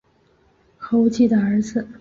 何无忌的儿子。